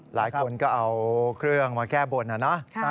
หลายคนก็เอาเครื่องมาแก้บนนะ